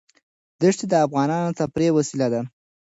دښتې د افغانانو د تفریح وسیله ده.